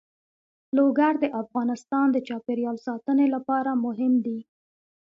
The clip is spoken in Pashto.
لوگر د افغانستان د چاپیریال ساتنې لپاره مهم دي.